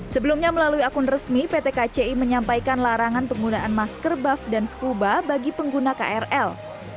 sebelumnya melalui akun resmi pt kci menyampaikan larangan penggunaan masker buff dan skuba bagi pengguna krl